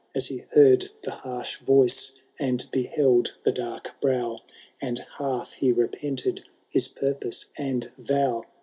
As he heard the harsh voice and beheld the dark brow. And half he repented his purpose and vow.